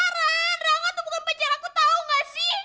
rangga tuh bukan pacaran aku tau gak sih